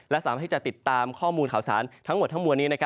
และสามารถที่จะติดตามข้อมูลข่าวสารทั้งหมดทั้งมวลนี้